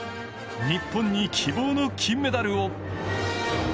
日本に希望の金メダルを。